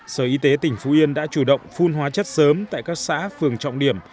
sở y tế tỉnh phú yên đã chủ động phun hóa chất sớm tại các xã phường trọng điểm